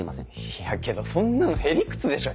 いやけどそんなのヘリクツでしょ。